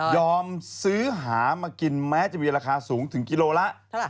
ซื้อหามากินแม้จะมีราคาสูงถึงกิโลละ